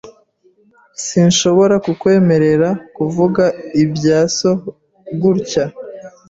sSinshobora kukwemerera kuvuga ibya so gutya.